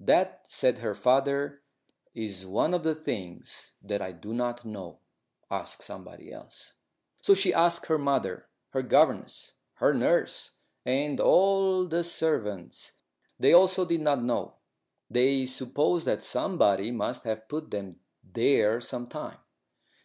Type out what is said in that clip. "That," said her father, "is one of the things that I do not know; ask somebody else." So she asked her mother, her governess, her nurse, and all the servants. They also did not know. They supposed that somebody must have put them there some time.